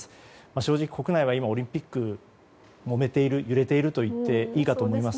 正直国内は今オリンピックでもめている、揺れているといっていいかと思います。